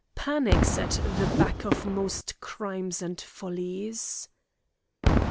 Panic's at the back of most crimes and follies."